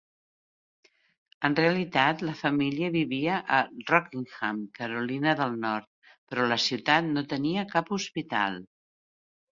En realitat la família vivia a Rockingham, Carolina del Nord, però la ciutat no tenia cap hospital.